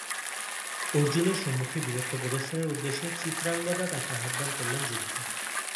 অর্জুনের সম্মুখে বীরত্ব প্রদর্শনের উদ্দেশ্যে চিত্রাঙ্গদা তাঁকে আহ্বান করলেন যুদ্ধে।